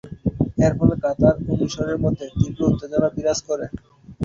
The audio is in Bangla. এর ফলে কাতার এবং মিশরের মধ্যে তীব্র উত্তেজনা বিরাজ করে।